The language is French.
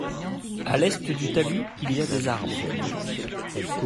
À l’est du talus il y a des arbres.